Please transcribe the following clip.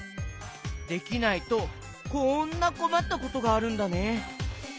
できないとこんなこまったことがあるんだね。